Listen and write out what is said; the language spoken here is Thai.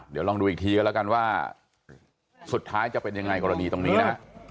เดี๋ยวลองดูอีกทีก็แล้วกันว่าสุดท้ายจะเป็นยังไงกรณีตรงนี้นะฮะ